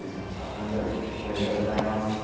誕生日おめでとうございます！